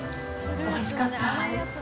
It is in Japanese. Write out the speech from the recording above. おいしかった。